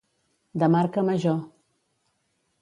De marca major.